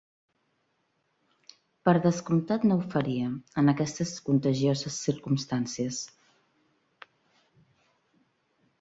Per descomptat no ho faria, en aquestes contagioses circumstàncies.